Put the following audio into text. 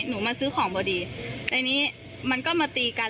หนูมาซื้อของพอดีในนี้มันก็มาตีกัน